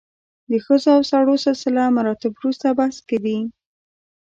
د ښځو او سړو سلسله مراتب وروسته بحث کې دي.